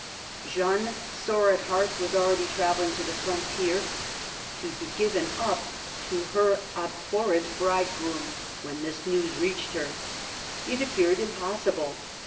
Jeanne, sore at heart, was already travelling to the frontier, to be given up to her abhorred bridegroom, when this news reached her. It appeared impossible.